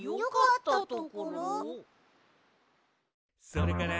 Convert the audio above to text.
「それから」